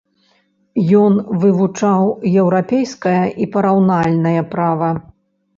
Ён вывучаў еўрапейскае і параўнальнае права.